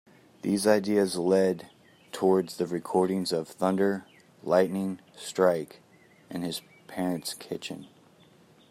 These ideas led towards the recording of "Thunder, Lightning, Strike" in his parents' kitchen.